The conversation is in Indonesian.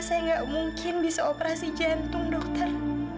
saya nggak mungkin bisa operasi jantung dokter